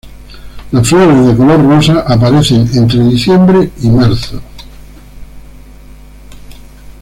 Las flores de color rosa aparecen entre diciembre y marzo.